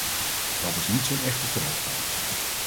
Dat is niet zo'n echte vooruitgang.